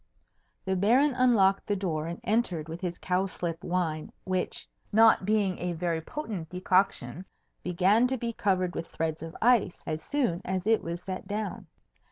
The Baron unlocked the door and entered with his cowslip wine, which (not being a very potent decoction) began to be covered with threads of ice as soon as it was set down.